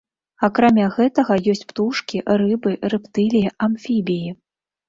Акрамя гэтага ёсць птушкі, рыбы, рэптыліі, амфібіі.